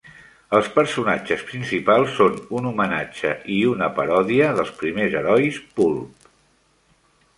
Els personatges principals són un homenatge i una paròdia dels primers herois pulp.